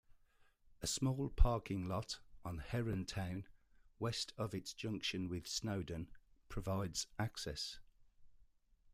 A small parking lot on Herrontown, west of its junction with Snowden, provides access.